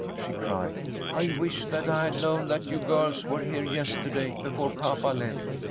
she cried. "I wish that I had known that you girls were here yesterday before papa left.